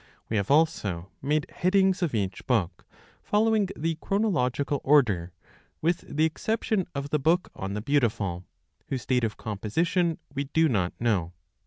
We have also made headings of each book, following the chronological order, with the exception of the book on The Beautiful, whose date of composition we do not know.